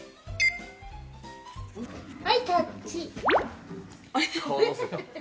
はい、タッチ。